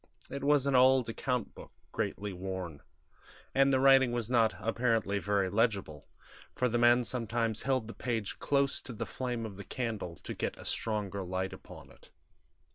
It was an old account book, greatly worn; and the writing was not, apparently, very legible, for the man sometimes held the page close to the flame of the candle to get a stronger light upon it.